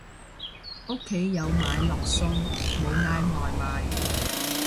屋企有買落餸，冇嗌外賣